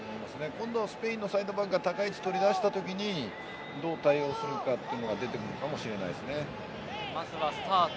今度はスペインのサイドバックが高い位置、取り出したときにどう対応するかというのがまずはスタート